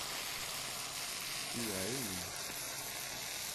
Tu as aimé.